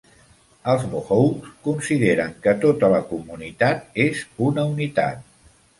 Els mohawks consideren que tota la comunitat és una unitat.